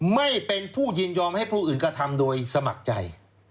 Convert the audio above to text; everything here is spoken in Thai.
ไม่เป็นผู้ยินยอมให้ผู้อื่นกระทำโดยสมัครใจ